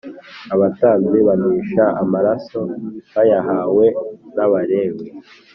abatambyi bamisha amaraso bayahawe n Abalewi